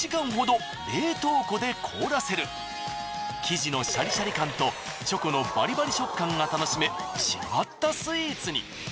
生地のシャリシャリ感とチョコのバリバリ食感が楽しめ違ったスイーツに。